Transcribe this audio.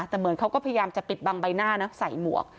แต่เหมือนเขาก็พยายามจะปิดบังใบหน้านะใส่หมวก